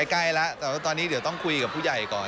ใกล้แล้วแต่ว่าตอนนี้เดี๋ยวต้องคุยกับผู้ใหญ่ก่อน